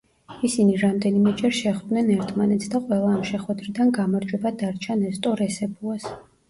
ისინი რამდენიმეჯერ შეხვდნენ ერთმანეთს და ყველა ამ შეხვედრიდან გამარჯვება დარჩა ნესტორ ესებუას.